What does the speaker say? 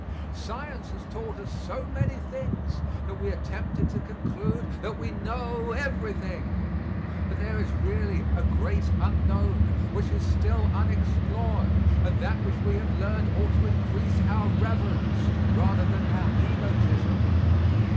Science has taught us so many things that we are tempted to conclude that we know everything, but there is really a great unknown which is still unexplored and that which we have learned ought to increase our reverence rather than our egotism.